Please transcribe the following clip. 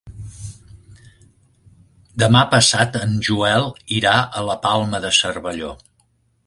Demà passat en Joel irà a la Palma de Cervelló.